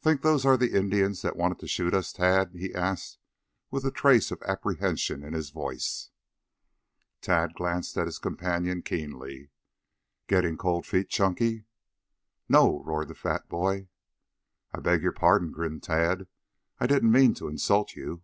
"Think those are the Indians that wanted to shoot us, Tad?" he asked, with a trace of apprehension in his voice. Tad glanced at his companion keenly; "Getting cold feet, Chunky?" "No!" roared the fat boy. "I beg your pardon," grinned Tad. "I didn't mean to insult you."